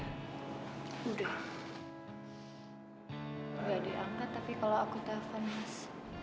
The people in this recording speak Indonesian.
gak diangkat tapi kalau aku telfon mas